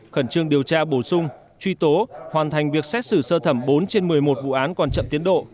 khẩn trương điều tra bổ sung truy tố hoàn thành việc xét xử sơ thẩm bốn trên một mươi một vụ án còn chậm tiến độ